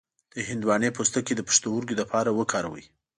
د هندواڼې پوستکی د پښتورګو لپاره وکاروئ